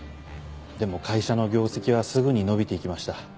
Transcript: でも会社の業績はすぐに伸びていきました。